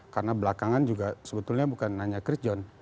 karena belakangan juga sebetulnya bukan hanya christian